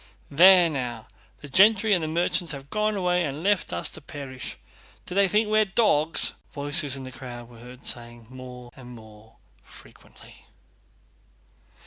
"There now, the gentry and merchants have gone away and left us to perish. Do they think we're dogs?" voices in the crowd were heard saying more and more frequently.